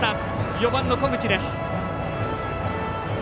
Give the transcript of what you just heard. ４番の小口です。